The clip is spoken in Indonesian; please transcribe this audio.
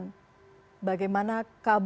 terima kasih aang mbak sokong